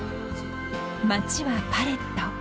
［街はパレット］